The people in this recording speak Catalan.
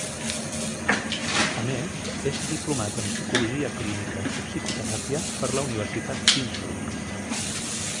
A més, és diplomat en psicologia clínica i psicoteràpia per la Universitat d'Innsbruck.